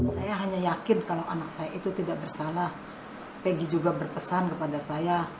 saya hanya yakin kalau anak saya itu tidak bersalah peggy juga berpesan kepada saya